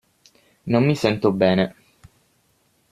Non mi sento bene.